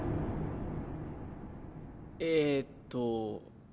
えっと。